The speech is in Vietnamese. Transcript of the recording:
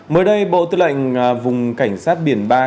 mới đây bộ tư lệnh vùng cảnh sát biển ba